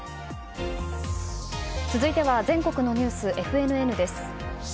続いては全国のニュースＦＮＮです。